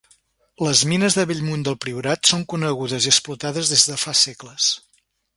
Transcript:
Les mines de Bellmunt del Priorat són conegudes i explotades des de fa segles.